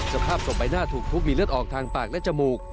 สภาพศพใบหน้าถูกทุบมีเลือดออกทางปากและจมูก